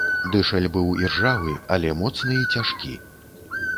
Дышаль быў іржавы, але моцны і цяжкі.